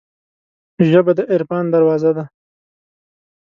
ژبه د عرفان دروازه ده